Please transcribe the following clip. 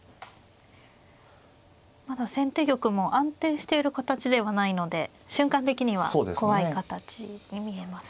まだ先手玉も安定している形ではないので瞬間的には怖い形に見えますね。